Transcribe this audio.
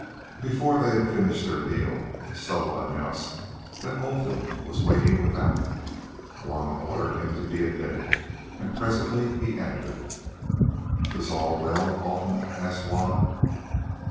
Before they had finished their meal, Soa announced that Olfan was waiting without. Juanna ordered him to be admitted, and presently he entered. "Is all well, Olfan?" asked Juanna.